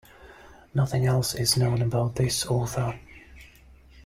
Nothing else is known about this author.